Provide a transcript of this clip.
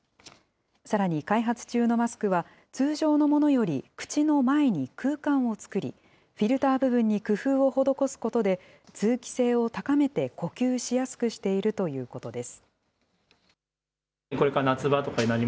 さらに開発中のマスクは、通常のものより口の前に空間を作り、フィルター部分に工夫を施すことで、通気性を高めて、呼吸しやすくしているということです。